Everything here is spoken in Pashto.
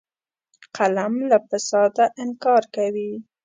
قلم له فساده انکار کوي